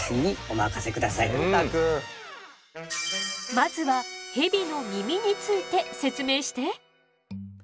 まずはヘビの耳について説明して！